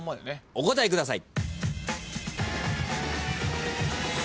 お答えください。